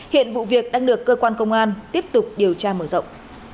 hiện vụ việc đang được cơ quan công an tiếp tục điều tra mở rộng